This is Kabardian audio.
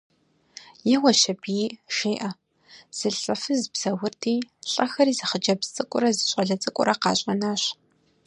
Еуэщ аби, жеӏэ: зэлӏзэфыз псэурти, лӏэхэри зы хъыджэбз цӏыкӏурэ зы щӏалэ цӏыкӏурэ къащӏэнащ.